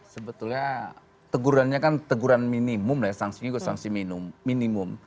sebetulnya tegurannya kan teguran minimum ya sanksinya juga sanksi minimum